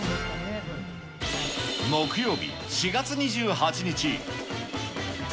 木曜日、４月２８日。